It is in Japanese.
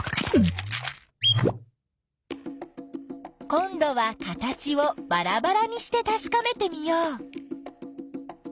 こんどは形をばらばらにしてたしかめてみよう。